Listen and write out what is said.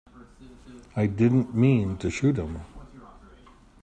I didn't mean to shoot him.